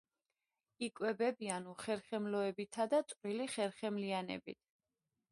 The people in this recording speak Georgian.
იკვებებიან უხერხემლოებითა და წვრილი ხერხემლიანებით.